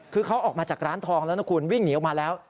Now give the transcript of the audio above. คือเขาออกมาจากร้านทองแล้วนะคุณวิ่งหนีออกมาแล้ว